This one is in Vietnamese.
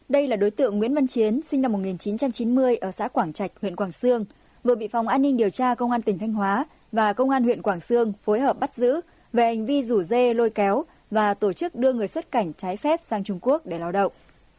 đây là đối tượng nguyễn văn chiến sinh năm một nghìn chín trăm chín mươi ở xã quảng trạch huyện quảng sương vừa bị phòng an ninh điều tra công an tỉnh thanh hóa và công an huyện quảng sương phối hợp bắt giữ về hành vi rủ dê lôi kéo và tổ chức đưa người xuất cảnh trái phép sang trung quốc để lao động